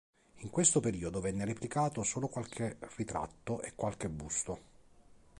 In questo periodo venne replicato solo qualche ritratto e qualche busto.